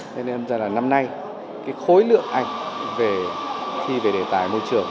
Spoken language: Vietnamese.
nên em rằng là năm nay cái khối lượng ảnh về thi về đề tài môi trường